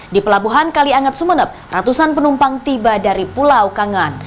di pelabuhan kaliangat sumeneb ratusan penumpang tiba dari pulau kangen